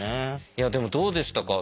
いやでもどうでしたか？